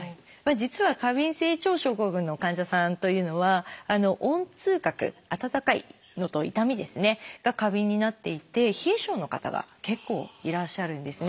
実は過敏性腸症候群の患者さんというのは温痛覚温かいのと痛みが過敏になっていて冷え性の方が結構いらっしゃるんですね。